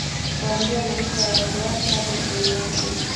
Kuanzia maisha ya watu wake hadi uchumi wake